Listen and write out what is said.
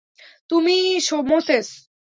তুমিই, মোসেস।